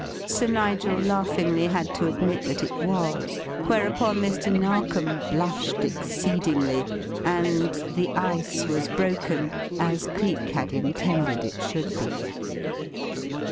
Sir Nigel laughingly had to admit that it was, whereupon Mr. Narkom blushed exceedingly, and the ice was broken as Cleek had intended it should be.